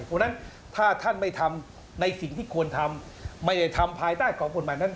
เพราะฉะนั้นถ้าท่านไม่ทำในสิ่งที่ควรทำไม่ได้ทำภายใต้ของกฎหมายนั้น